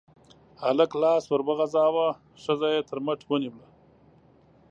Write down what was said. هلک لاس ور وغزاوه، ښځه يې تر مټ ونيوله.